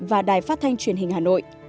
và đài phát thanh truyền hình hà nội